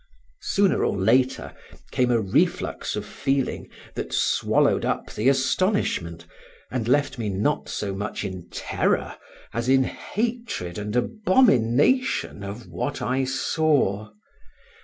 Sooner or later came a reflux of feeling that swallowed up the astonishment, and left me not so much in terror as in hatred and abomination of what I saw.